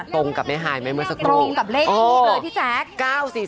ตรงกับแม่ฮายไหมเมื่อสักครู่ตรงกับเลขนี้เลยพี่แจ๊ค